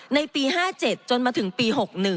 ในปี๕๗จนมาถึงปี๖๑